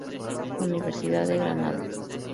Universidad de Granada.